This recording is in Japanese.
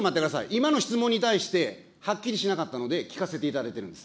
今の質問に対して、はっきりしなかったので、聞かせていただいているんです。